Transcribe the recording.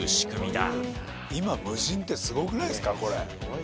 今無人ってすごくないっすかこれ。